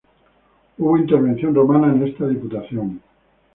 Hubo intervención romana en esta diputación.